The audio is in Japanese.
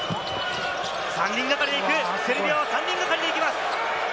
３人がかりでいく、セルビアは３人がかりでいきます。